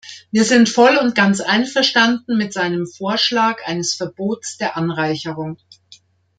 Wir sind voll und ganz einverstanden mit seinem Vorschlag eines Verbots der Anreicherung.